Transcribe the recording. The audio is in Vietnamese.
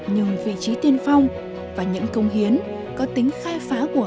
nhưng vị trí tiên phong và những công hiến có tính khai phá của